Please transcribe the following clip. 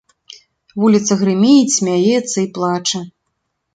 Вуліца грыміць, смяецца і плача.